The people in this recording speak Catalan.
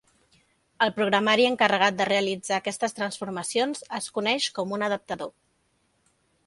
El programari encarregat de realitzar aquestes transformacions es coneix com un adaptador.